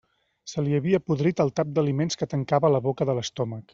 Se li havia podrit el tap d'aliments que tancava la boca de l'estómac.